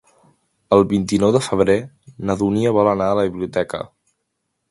El vint-i-nou de febrer na Dúnia vol anar a la biblioteca.